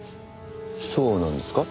そうなんですか？